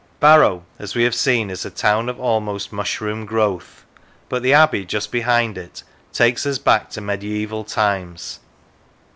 Barrow, as we have seen, is a town of almost mushroom growth, but the Abbey, just behind it, takes us back to mediaeval times.